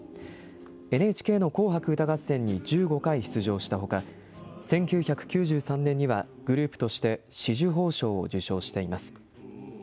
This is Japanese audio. ＮＨＫの紅白歌合戦に１５回出場したほか、１９９３年には、グループとして、紫綬褒章を受章しています。